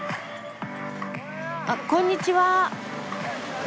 あっこんにちは。